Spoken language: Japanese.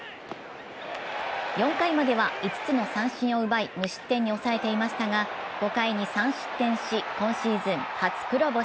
４回までは５つの三振を奪い、無失点に抑えていましたが５回に３失点し、今シーズン初黒星。